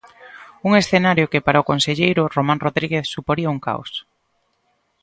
Un escenario que para o conselleiro, Román Rodríguez, suporía un caos.